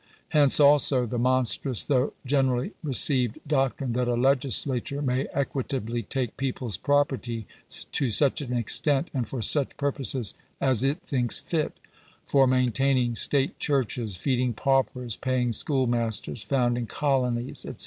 Hence, also, the monstrous, though generally received doctrine, that a legislature may equitably take people's property to such extent, and for such purposes, as it thinks fit — for maintaining state churches, feed ing paupers, paying schoolmasters, founding colonies, &c.